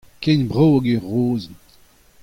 Ken brav hag ur rozenn.